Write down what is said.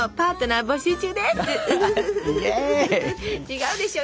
違うでしょ。